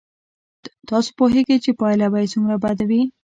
تاسو پوهېږئ چې پایله به یې څومره بد وي.